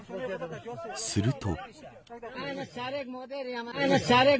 すると。